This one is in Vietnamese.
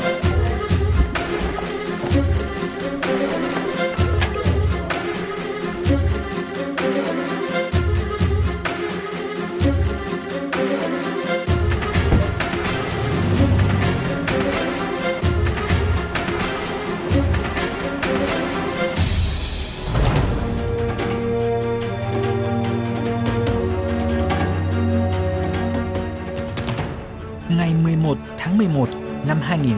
ngày một mươi một tháng một mươi một năm hai nghìn một mươi tám trong lúc đang chuẩn bị đi sang tỉnh điện biên